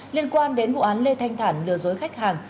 liên quan đến vụ án lê thanh thản lừa dối khách hàng